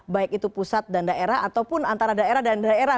baik itu pusat dan daerah ataupun antara daerah dan daerah